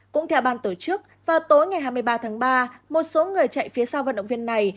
cũng theo ban tổ chức vào tối ngày hai mươi ba tháng ba một số người chạy phía sau vận động viên này